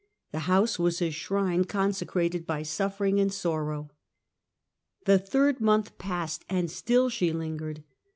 The house was a shrine consecrated by suf fering and sorrow. The third month passed, and still she lingered.